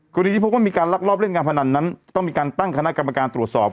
ที่พบว่ามีการลักลอบเล่นการพนันนั้นต้องมีการตั้งคณะกรรมการตรวจสอบ